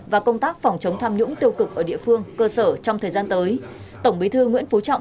và công tác phòng chống tham nhũng tiêu cực ở địa phương cơ sở trong thời gian tới tổng bí thư nguyễn phú trọng